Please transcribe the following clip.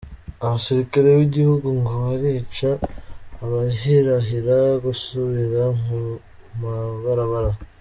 Abasirikare b'igihugu ngo barica abahirahira gusubira mu mabarabara.